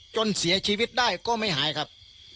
จนเสียชีวิตได้ก็ไม่หายครับ